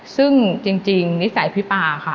ซึ่งจริงนิสัยพี่ป่าค่ะ